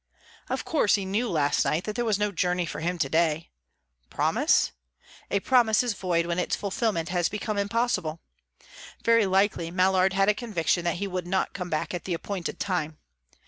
Of course, he knew last night that there was no journey for him to day. Promise? A promise is void when its fulfilment has become impossible. Very likely Mallard had a conviction that he would not come back at the appointed time.